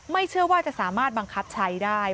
เชื่อว่าจะสามารถบังคับใช้ได้